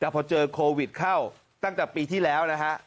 พอเจอโควิดเข้าตั้งแต่ปีที่แล้วนะฮะ